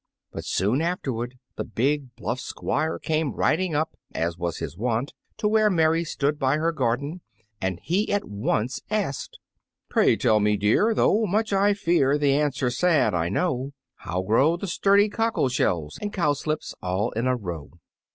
But soon afterward the big bluff Squire came riding up, as was his wont, to where Mary stood by her garden, and he at once asked, "Pray tell me, dear, though much I fear The answer sad I know, How grow the sturdy cockle shells And cowslips, all in a row?"